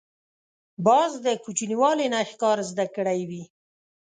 باز د کوچنیوالي نه ښکار زده کړی وي